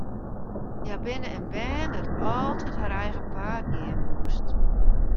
Hja wie in bern dat altyd har eigen paad gean moast.